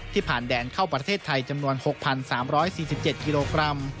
ผ่านแดนเข้าประเทศไทยจำนวน๖๓๔๗กิโลกรัม